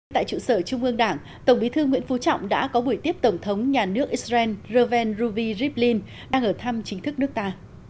tại trụ sở trung ương đảng tổng bí thư nguyễn phú trọng đã có buổi tiếp tổng thống nhà nước israel roven ruby ryblin đang ở thăm chính thức nước ta